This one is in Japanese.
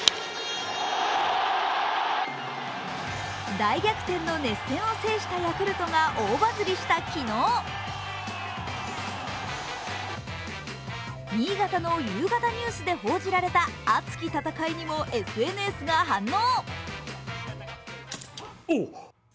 大逆転の熱戦を制したヤクルトが大バズりした昨日、新潟の夕方ニュースで報じられた熱き戦いにもＳＮＳが反応。